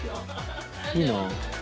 いいな。